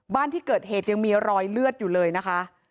บ้านที่เกิดเหตุยังมีรอยเลือดอยู่เลยนะคะ